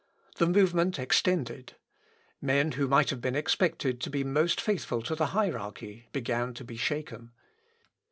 The movement extended. Men who might have been expected to be most faithful to the hierarchy began to be shaken.